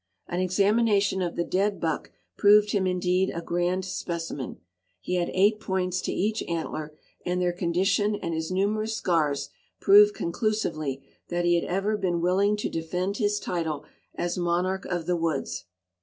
An examination of the dead buck proved him indeed a grand specimen. He had eight points to each antler, and their condition and his numerous scars proved conclusively that he had ever been willing to defend his title as monarch of the woods.